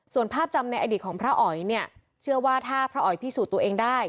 ส่วนภาพจำในอดีตของพระอ๋อยเนี่ยเชื่อว่าถ้าพระอ๋อยพิสูจน์ตัวเองได้